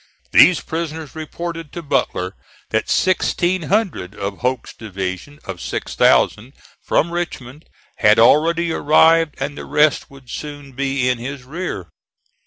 These prisoners reported to Butler that sixteen hundred of Hoke's division of six thousand from Richmond had already arrived and the rest would soon be in his rear.